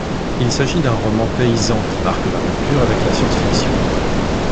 Il s'agit d'un roman paysan, qui marque la rupture avec la science fiction.